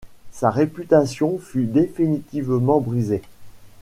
Sa réputation fut définitivement brisée.